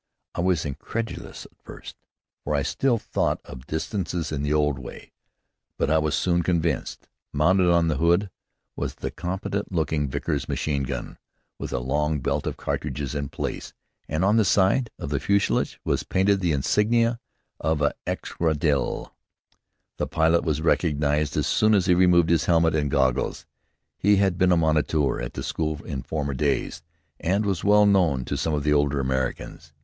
I was incredulous at first, for I still thought of distances in the old way. But I was soon convinced. Mounted on the hood was the competent looking Vickers machine gun, with a long belt of cartridges in place, and on the side of the fuselage were painted the insignia of an escadrille. The pilot was recognized as soon as he removed his helmet and goggles. He had been a moniteur at the school in former days, and was well known to some of the older Americans.